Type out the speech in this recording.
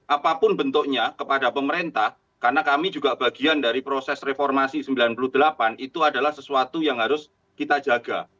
apapun bentuknya kepada pemerintah karena kami juga bagian dari proses reformasi sembilan puluh delapan itu adalah sesuatu yang harus kita jaga